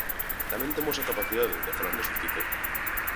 Tamén temos a capacidade de falar de xustiza.